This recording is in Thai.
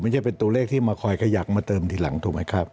ไม่ใช่เป็นตัวเลขที่มาคอยขยักมาเติมทีหลังถูกไหมครับ